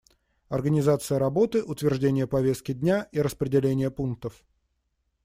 Организация работы, утверждение повестки дня и распределение пунктов.